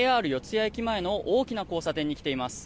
谷駅前の大きな交差点に来ています。